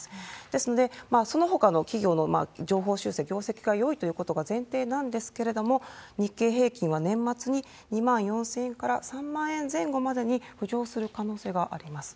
ですので、そのほかの企業の上方修正、業績がよいということが前提なんですけれども、日経平均は年末に、２万４０００円から３万円前後までに浮上する可能性があります。